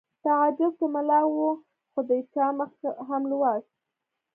تعجب که ملا و خو د چا مخ هم لوست